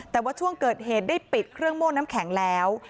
แต่ว่าช่วงเกิดเหตุได้ปิดเครื่องโม่นน้ำแข็งแล้ว